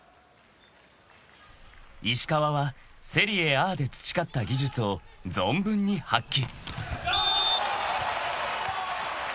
［石川はセリエＡで培った技術を存分に発揮］